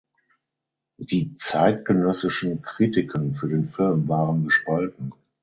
Die zeitgenössischen Kritiken für den Film waren gespalten.